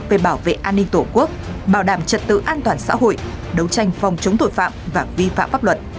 về bảo vệ an ninh tổ quốc bảo đảm trật tự an toàn xã hội đấu tranh phòng chống tội phạm và vi phạm pháp luật